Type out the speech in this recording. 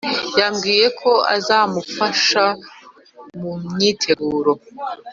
yamubwiye ko azamufasha mumyiteguro